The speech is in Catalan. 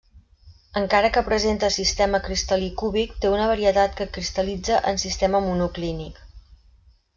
Encara que presenta sistema cristal·lí cúbic té una varietat que cristal·litza en sistema monoclínic.